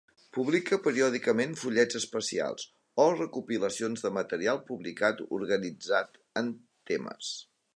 Publica periòdicament "fullets especials" o recopilacions de material publicat organitzat en temes.